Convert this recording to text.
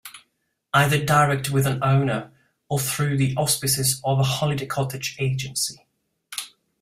Either direct with an owner, or through the auspices of a holiday cottage agency.